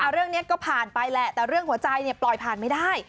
เรื่องนี้ก็ผ่านไปแหละแต่เรื่องหัวใจปล่อยผ่านไม่ได้